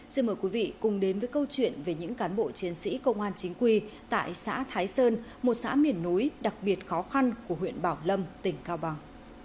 xin mời quý vị cùng đến với câu chuyện về những cán bộ chiến sĩ công an chính quy tại xã thái sơn một xã miền núi đặc biệt khó khăn của huyện bảo lâm tỉnh cao bằng